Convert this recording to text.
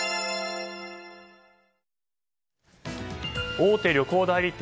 大手旅行代理店